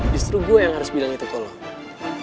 justru gue yang harus bilang itu kalau